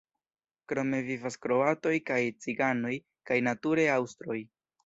Krome vivas kroatoj kaj ciganoj kaj nature aŭstroj.